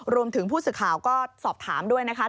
รวมถึงผู้สื่อข่าวก็สอบถามด้วยนะคะ